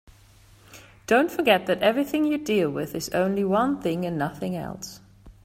Don't forget that everything you deal with is only one thing and nothing else.